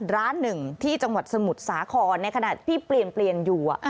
ร้านหนึ่งที่จังหวัดสมุทรสาครในขณะที่เปลี่ยนอยู่